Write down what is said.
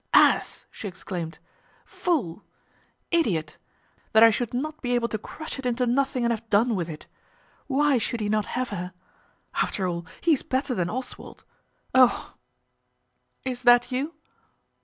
"Ass!" she exclaimed. "Fool! Idiot! That I should not be able to crush it into nothing and have done with it! Why should he not have her? After all, he is better than Oswald. Oh, is that you?"